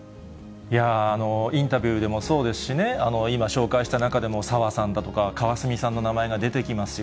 インタビューでもそうですしね、今、紹介した中でも、澤さんだとか、川澄さんの名前が出てきますよ。